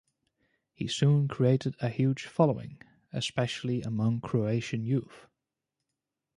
He soon created a huge following, especially among Croatian youth.